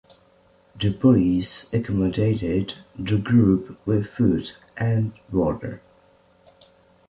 The police accommodated the group with food and water.